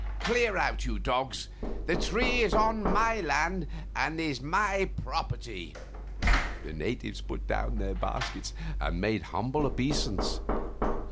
Clear out, you dogs; the tree is on my lands and is my property." The natives put down their baskets and made humble obeisance.